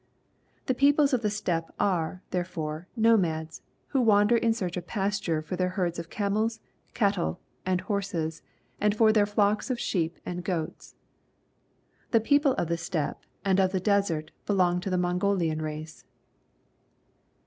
The people of the steppe are, there fore, nomads, who wander in search of pasture for their herds of camels, cattle, and horses, and for their flocks of sheep and goats. The people of the steppe and of the desert belong to the Mon golian race.